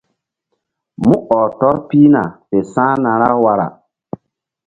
Mú ɔh tɔr pihna fe sa̧hna ra wara.